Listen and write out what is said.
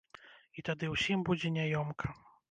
І тады ўсім будзе няёмка.